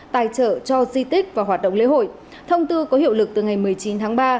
tài trợ cho di tích và hoạt động lễ hội thông tư có hiệu lực từ ngày một mươi chín tháng ba